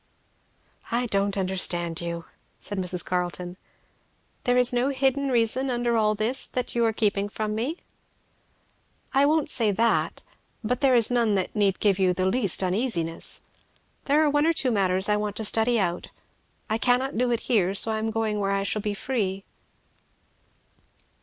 "I don't understand you," said Mrs. Carleton "There is no hidden reason under all this that you are keeping from me?" "I won't say that. But there is none that need give you the least uneasiness. There are one or two matters I want to study out I cannot do it here, so I am going where I shall be free."